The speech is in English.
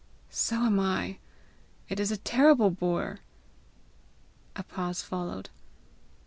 "So am I! It is a terrible bore!" A pause followed.